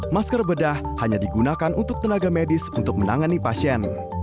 masker bedah hanya digunakan untuk tenaga medis untuk menangani pasien